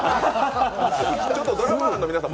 ちょっとドラマ班の皆さん